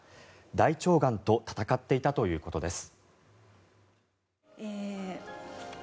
大腸がんと闘っていたということです。